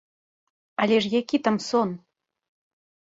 Але ж які там сон?